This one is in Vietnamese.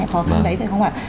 khó khăn đấy phải không ạ